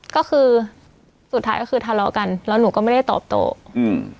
ก็คือสุดท้ายก็คือทะเลาะกันแล้วหนูก็ไม่ได้ตอบโตอืม